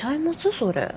それ。